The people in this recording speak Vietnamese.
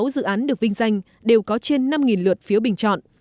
ba mươi sáu dự án được vinh danh đều có trên năm lượt phiếu bình chọn